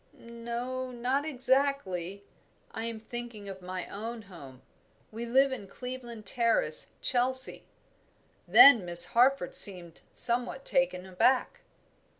"No, not exactly. I am thinking of my own home. We live in Cleveland Terrace, Chelsea." Then Miss Harford seemed somewhat taken aback.